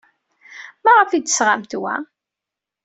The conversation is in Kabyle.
Maɣef ay d-tesɣamt wa?